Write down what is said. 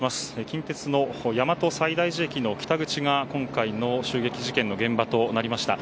近鉄の大和西大寺駅の北口が今回の襲撃事件現場となりました。